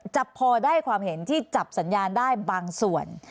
จะพอได้ความเห็นที่จับสัญญาณได้บางส่วน